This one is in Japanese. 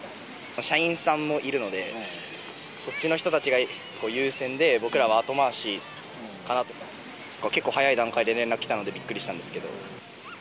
社員さんもいるので、そっちの人たちが優先で、僕らは後回しかなと、結構早い段階で連絡来たので、びっくりしたんですけど。